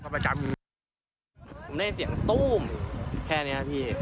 ผมได้ยินเสียงตู้มแค่เนี้ยพี่